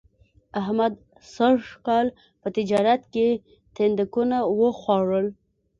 احمد سږ کال په تجارت کې تیندکونه و خوړل